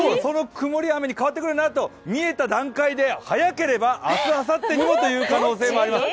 曇りや雨に変わってくるなと見えた段階で早ければ、明日あさってにもという可能性もあります。